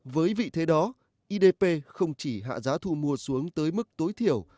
với vị thế đó idp không chỉ hạ giá thu mua xuống tới mức tối thiểu